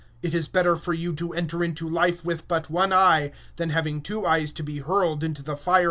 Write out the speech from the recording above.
It is better for thee to enter into life with one eye, than having two eyes to be cast into hell fire.